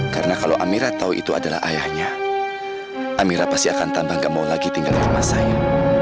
karena kalau amirah tahu itu adalah ayahnya amirah pasti akan tambah gak mau lagi tinggal di rumah saya